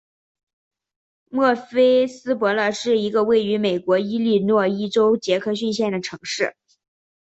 莫菲斯伯勒是一个位于美国伊利诺伊州杰克逊县的城市。